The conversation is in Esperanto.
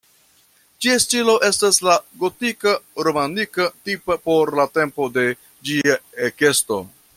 Ĝia stilo estas la gotika-romanika tipa por la tempo de ĝia ekesto.